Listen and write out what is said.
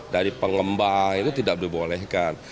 dari pengembang itu tidak dibolehkan